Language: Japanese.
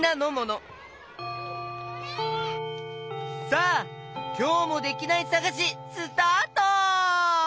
さあきょうもできないさがしスタート！